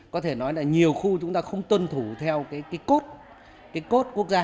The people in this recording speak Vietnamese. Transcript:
có thể nói là nhiều khu chúng ta không tuân thủ theo cái cốt cái cốt quốc gia